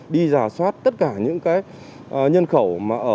đi giả soát tất cả những nhân khẩu